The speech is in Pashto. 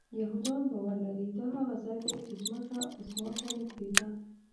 یهودان باور لري دا هغه ځای دی چې ځمکه آسمان ته نږدې ده.